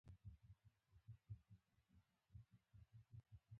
د متمرکزې پلان جوړونې اقتصادي نظام کې هڅوونکې انګېزه نه وه